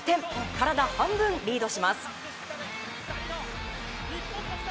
体半分リードします。